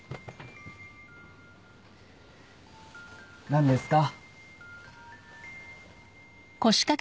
何ですか？